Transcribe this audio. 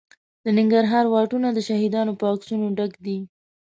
د ننګرهار واټونه د شهیدانو په عکسونو ډک دي.